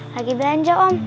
lagi belanja om